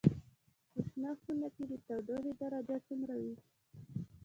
په شنه خونه کې د تودوخې درجه څومره وي؟